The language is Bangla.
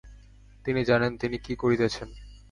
তিনি জানেন, তিনি কি করিতেছেন।